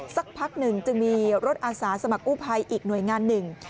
สักพักหนึ่งจึงมีรถอาสาสมัครกู้ภัยอีกหน่วยงานหนึ่ง